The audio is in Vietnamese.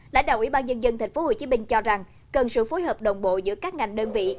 lãnh đạo ủy ban nhân dân tp hcm cho rằng cần sự phối hợp đồng bộ giữa các ngành đơn vị